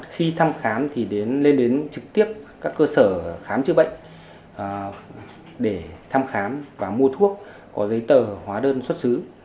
khi thăm khám thì lên đến trực tiếp các cơ sở khám chữa bệnh để thăm khám và mua thuốc có giấy tờ hóa đơn xuất xứ